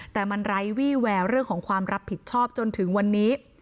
แต่มันไร้วี่แววเรื่องของความรับผิดชอบจนถึงวันนี้